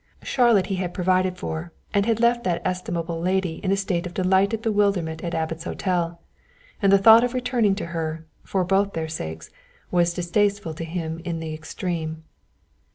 Charlotte he had provided for and had left that estimable lady in a state of delighted bewilderment at Abbot's Hotel, and the thought of returning to her, for both their sakes, was distasteful to him in the extreme.